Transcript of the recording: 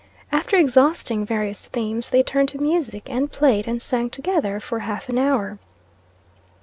After exhausting various themes, they turned to music, and played, and sang together for half an hour.